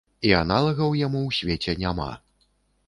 І аналагаў яму ў свеце няма.